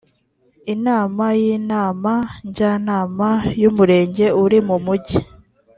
inama y inama njyanama y umurenge uri mu mumujyi